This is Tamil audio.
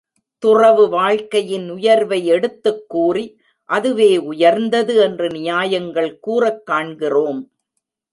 துறவு வாழ்க்கையின் உயர்வை எடுத்துக் கூறி அதுவே உயர்ந்தது என்று நியாயங்கள் கூறக் காண்கிறோம்.